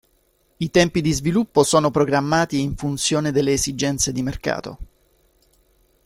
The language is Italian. I tempi di sviluppo sono programmati in funzione delle esigenze di mercato.